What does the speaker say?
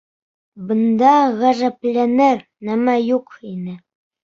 Бында ғәжәпләнер нәмә юҡ ине.